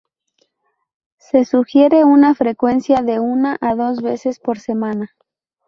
Se sugiere una frecuencia de una a dos veces por semana.